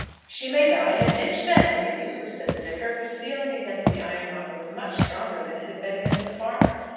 "She may die in a ditch, then, for you?" said the Vicar, whose feeling against the ironmonger was much stronger than it had been against the farmer.